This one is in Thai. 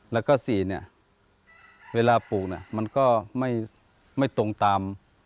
และสี่เวลาปลูกมันก็ไม่ตรงตาม